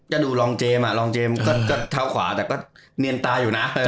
ก็ดูรองเจมส์รองเจมส์ก็เท้าขวาแต่ก็เนียนตาอยู่นะ